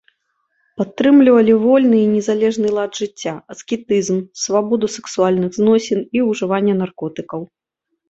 Падтрымлівалі вольны і незалежны лад жыцця, аскетызм, свабоду сексуальных зносін і ўжывання наркотыкаў.